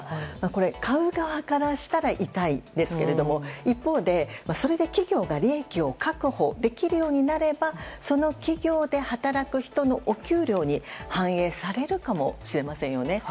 これ、買う側からしたら痛いですが一方で、それで企業が利益を確保できるようになればその企業で働く人のお給料に反映されるかもしれませんよね。